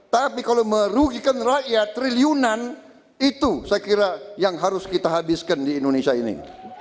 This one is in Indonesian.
tapi kalau merugikan rakyat triliunan itu saya kira yang harus kita habiskan di indonesia ini